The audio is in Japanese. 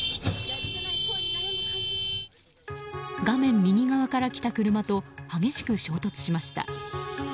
画面右側から来た車と激しく衝突しました。